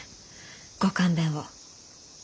ご勘弁を。